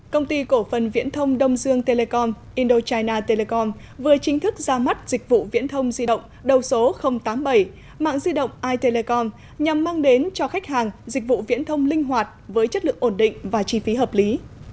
công ty cổ phần viễn thông đông dương telecom indochina telecom vừa chính thức ra mắt dịch vụ viễn thông di động đầu số tám mươi bảy mạng di động itelecom nhằm mang đến cho khách hàng dịch vụ viễn thông linh hoạt với chất lượng ổn định và chi phí hợp lý